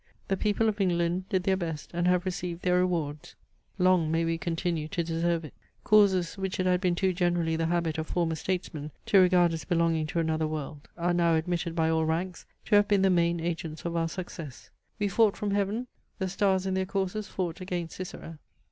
The people of England did their best, and have received their rewards. Long may we continue to deserve it! Causes, which it had been too generally the habit of former statesmen to regard as belonging to another world, are now admitted by all ranks to have been the main agents of our success. "We fought from heaven; the stars in their courses fought against Sisera."